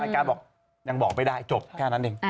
การบอกยังบอกไม่ได้จบแค่นั้นเอง